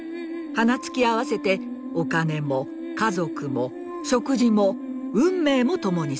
鼻突き合わせてお金も家族も食事も運命も共にする。